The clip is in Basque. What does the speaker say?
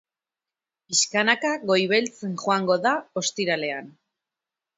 Pixkanaka goibeltzen joango da ostiralean.